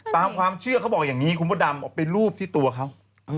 ตามความเชื่อเขาบอกอย่างนี้คุณพระดำเอาไปรูปที่ตัวเขา